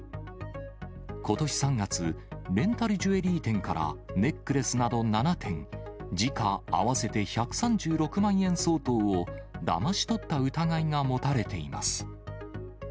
ことし３月、レンタルジュエリー店から、ネックレスなど７点、時価合わせて１３６万円相当をだまし取った疑いが持たれています。